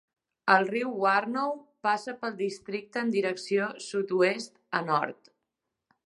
El riu Warnow passa pel districte en direcció sud-oest a nord.